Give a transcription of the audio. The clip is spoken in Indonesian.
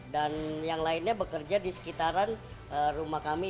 dan yang lainnya bekerja di sekitaran rumah kami